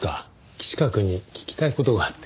岸川くんに聞きたい事があって。